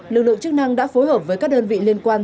lực lượng chức năng đã phối hợp với các đơn vị liên quan